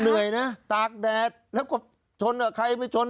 เหนื่อยนะตากแดดแล้วก็ชนกับใครไม่ชน